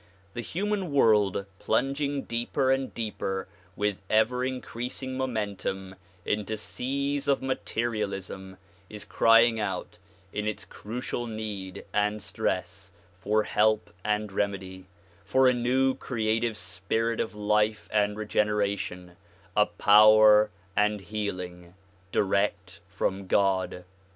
The human world plunging deeper and deeper with ever increasing momentum into seas of materialism is crying out in its crucial need and stress for help and remedy, — for a new creative spirit of life and regeneration, — a power and healing direct from God.